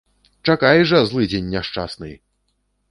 Чакай жа, злыдзень няшчасны!